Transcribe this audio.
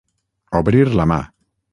Obrir la mà.